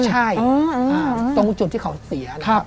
ใช่ตรงจุดที่เขาเสียนะครับ